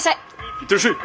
行ってらっしゃい！